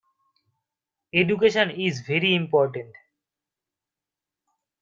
Education is very important.